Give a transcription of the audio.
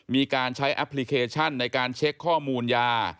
มีการใช้แอปพลิเคชันในการเช็คข้อมูลยา